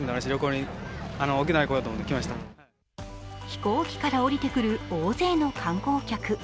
飛行機から降りてくる大勢の観光客。